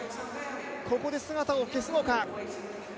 ここで姿を消すのか。